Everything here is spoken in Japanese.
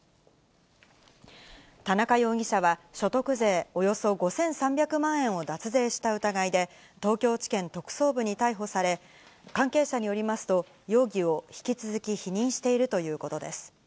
田中容疑者は所得税およそ５３００万円を脱税した疑いで、東京地検特捜部に逮捕され、関係者によりますと、容疑を引き続き否認しているということです。